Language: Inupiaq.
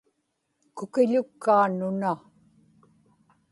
kukiḷukkaa nuna